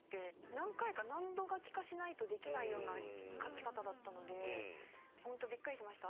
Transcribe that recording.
何回か何度書きかしないとできないような書き方だったのでホントビックリしました。